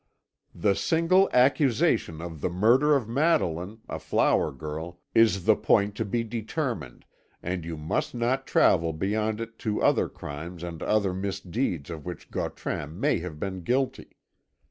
"The single accusation of the murder of Madeline, a flower girl, is the point to be determined, and you must not travel beyond it to other crimes and other misdeeds of which Gautran may have been guilty.